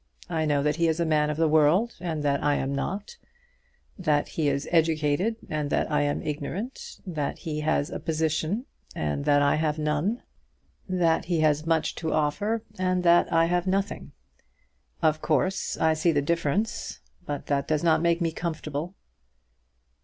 I know that he is a man of the world, and that I am not; that he is educated, and that I am ignorant; that he has a position, and that I have none; that he has much to offer, and that I have nothing. Of course, I see the difference; but that does not make me comfortable."